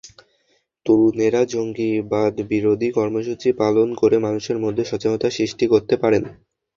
তরুণেরা জঙ্গিবাদবিরোধী কর্মসূচি পালন করে মানুষের মধ্যে সচেতনতা সৃষ্টি করতে পারেন।